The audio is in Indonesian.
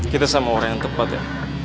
kita sama orang yang tepat ya